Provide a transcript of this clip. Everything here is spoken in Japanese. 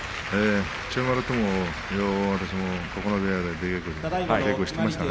千代丸とも出稽古で稽古していましたね。